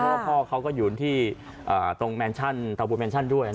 เพราะว่าพ่อเขาก็อยู่ที่ตรงแมนชั่นตระกูลแมนชั่นด้วย